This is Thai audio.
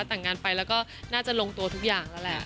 ต่างงานไปเราก็น่าจะลงโตทุกอย่างเท่าไหร่